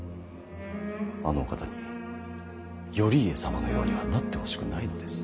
あのお方に頼家様のようにはなってほしくないのです。